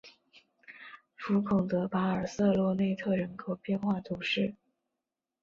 福孔德巴尔瑟洛内特人口变化图示